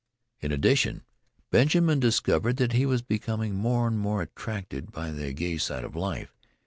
In addition, Benjamin discovered that he was becoming more and more attracted by the gay side of life.